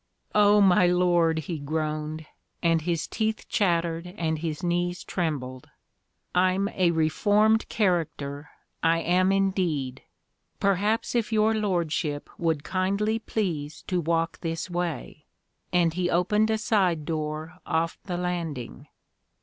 "Oh, my lord," he groaned, and his teeth chattered and his knees trembled, "I'm a reformed character I am indeed. Perhaps if your lordship would kindly please to walk this way," and he opened a side door off the landing.